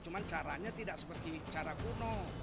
cuma caranya tidak seperti cara kuno